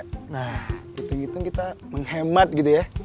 nah hitung hitung kita menghemat gitu ya